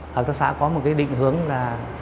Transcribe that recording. hợp tác xã có một cái định hướng là